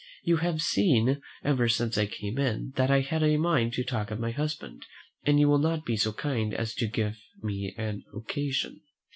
You have seen, ever since I came in, that I had a mind to talk of my husband, and you will not be so kind as to give me an occasion."